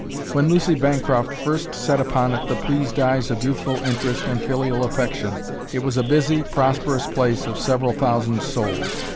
When Lucy Bancroft first set upon it the pleased eyes of youthful interest and filial affection, it was a busy, prosperous place of several thousand souls.